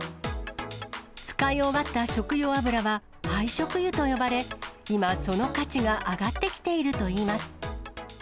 使い終わった食用油は廃食油と呼ばれ、今、その価値が上がってきているといいます。